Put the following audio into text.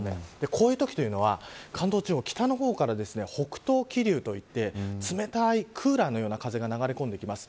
こういうときは、関東地方北の方から北東気流といって冷たいクーラーのような風が流れ込んできます。